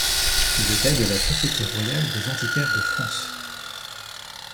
Il était de la Société royale des Antiquaires de France.